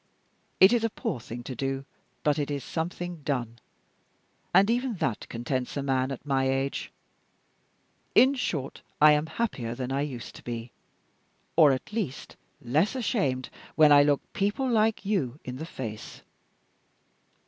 It is a poor thing to do, but it is something done and even that contents a man at my age. In short, I am happier than I used to be, or at least less ashamed when I look people like you in the face."